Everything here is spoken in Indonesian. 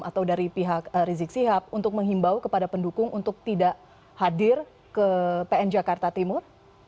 atau dari pihak rizik sihab untuk menghimbau kepada pendukung untuk tidak hadir ke pn jakarta timur